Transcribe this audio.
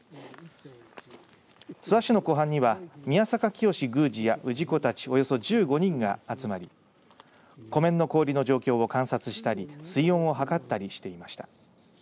諏訪市の湖畔には宮坂清宮司や氏子たちおよそ１５人が集まり湖面の氷の状況を観察したり水温を測ったりしていました。